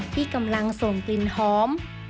ที่กำลังส่งกลิ่นหอม